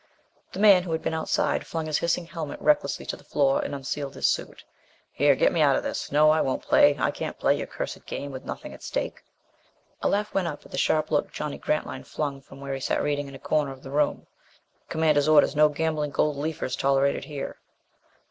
The man who had been outside flung his hissing helmet recklessly to the floor and unsealed his suit. "Here, get me out of this. No, I won't play. I can't play your cursed game with nothing at stake!" A laugh went up at the sharp look Johnny Grantline flung from where he sat reading in a corner of the room. "Commander's orders. No gambling gold leafers tolerated here."